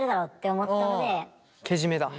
けじめだ。